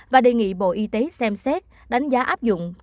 và đề nghị bộ y tế xem xét đánh giá áp dụng